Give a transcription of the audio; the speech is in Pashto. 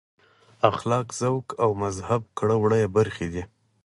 اخلاق ذوق او مهذب کړه وړه یې برخې دي.